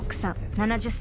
７０歳］